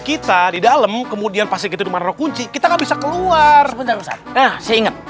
kita di dalam kemudian pas itu dimana kunci kita bisa keluar seinget seinget